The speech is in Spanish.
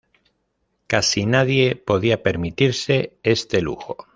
Casi nadie podía permitirse este lujo.